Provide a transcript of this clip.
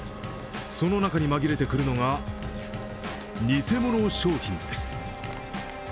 その中に紛れてくるのが偽物商品です。